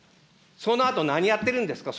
そのあと何やってるんですか。